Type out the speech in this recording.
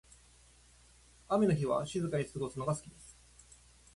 雨の日は静かに過ごすのが好きです。